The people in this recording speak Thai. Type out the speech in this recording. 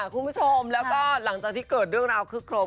คุณผู้ชมแล้วก็หลังจากที่เกิดเรื่องราวคึกโครม